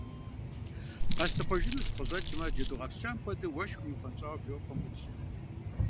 Къэслъыхъуэжыну сыкъыщӀэкӀмэ – джэду гъэпскӀам хуэдэу уэшхым иуфэнщӀауэ бжэӀупэм Ӏутщ.